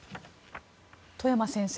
外山先生